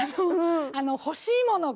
あの欲しいものが。